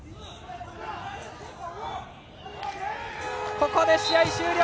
ここで試合終了。